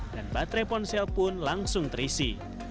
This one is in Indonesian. dan baterai ponsel pun langsung terisi